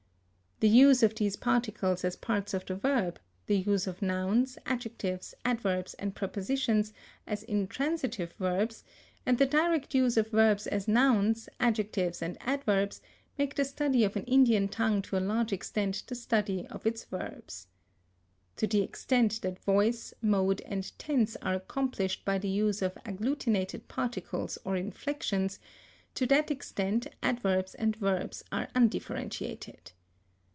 The use of these particles as parts of the verb; the use of nouns, adjectives, adverbs, and prepositions as intransitive verbs; and the direct use of verbs as nouns, adjectives, and adverbs, make the study of an Indian tongue to a large extent the study of its verbs. To the extent that voice, mode, and tense are accomplished by the use of agglutinated particles or inflections, to that extent adverbs and verbs are undifferentiated.